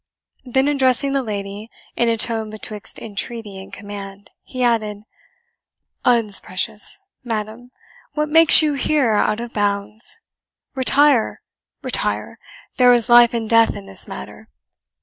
Then addressing the lady, in a tone betwixt entreaty and command, he added, "Uds precious! madam, what make you here out of bounds? Retire retire there is life and death in this matter.